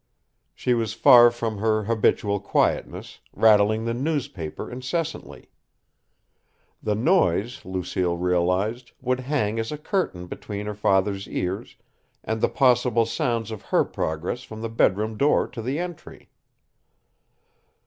She was far from her habitual quietness, rattling the newspaper incessantly. The noise, Lucille realized, would hang as a curtain between her father's ears and the possible sounds of her progress from the bedroom door to the entry.